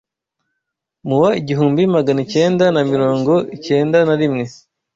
mu wa igihumbi Magana icyenda na mirongo ictena narimwe